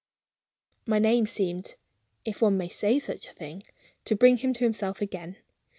My name seemed (if one may say such a thing) to bring him to himself again.